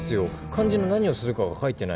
肝心の何をするかが書いてない。